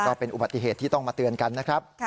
ก็เป็นอุบัติเหตุที่ต้องมาเตือนกันนะครับ